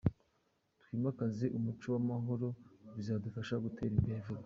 Twimakaze umuco w'amahoro bizadufasha gutera imbere vuba.